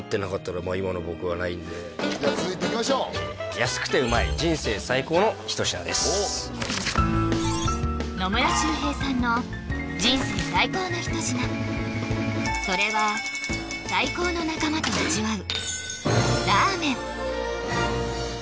じゃあ続いていきましょう安くてうまい人生最高の一品です野村周平さんの人生最高の一品それは最高の仲間と味わう